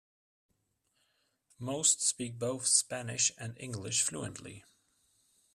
Most speak both Spanish and English fluently.